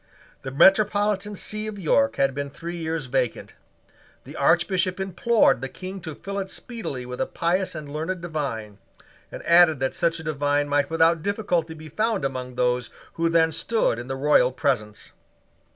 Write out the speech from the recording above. The metropolitan see of York had been three years vacant. The Archbishop implored the King to fill it speedily with a pious and learned divine, and added that such a divine might without difficulty be found among those who then stood in the royal presence.